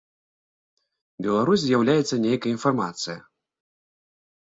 Беларусь з'яўляецца нейкая інфармацыя.